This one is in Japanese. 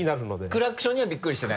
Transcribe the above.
クラクションにはビックリしてない？